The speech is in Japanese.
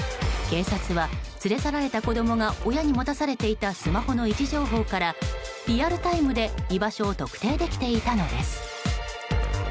警察は、連れ去られた子供が親に持たされていたスマホの位置情報から、リアルタイムで居場所を特定できていたのです。